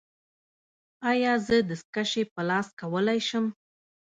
ایا زه دستکشې په لاس کولی شم؟